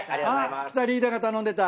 リーダーが頼んでた。